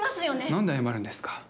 何で謝るんですか？